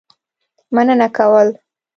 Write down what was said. مننه کول.